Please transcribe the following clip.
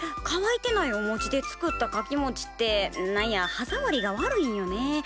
かわいてないお餅で作ったかきもちって何や歯ざわりが悪いんよね。